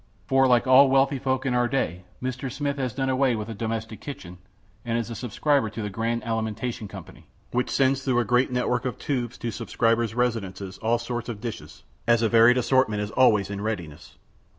For like all wealthy folk in our day, Mr. Smith has done away with the domestic kitchen and is a subscriber to the Grand Alimentation Company, which sends through a great network of tubes to subscribers' residences all sorts of dishes, as a varied assortment is always in readiness.